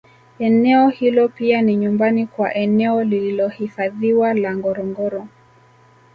Eneo hilo pia ni nyumbani kwa eneo lililohifadhiwa la Ngorongoro